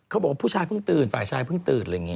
ผู้ชายเพิ่งตื่นฝ่ายชายเพิ่งตื่นอะไรอย่างนี้